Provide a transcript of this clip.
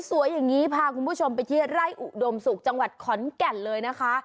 อย่างนี้พาคุณผู้ชมไปที่ไร่อุดมศุกร์จังหวัดขอนแก่นเลยนะคะ